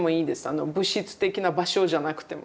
物質的な場所じゃなくても。